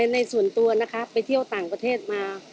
ในส่วนตัวนะคะไปเที่ยวต่างประเทศมา